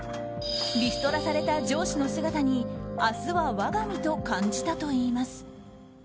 リストラされた上司の姿に明日は我が身と感じたといいます。